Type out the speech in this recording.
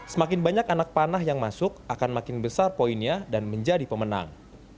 semakin banyak anak panah yang masuk akan makin besar poinnya dan menjadi pemenang